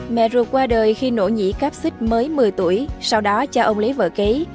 mẹ ruột qua đời khi nỗ nhĩ cáp xích mới một mươi tuổi sau đó cho ông lấy vợ kế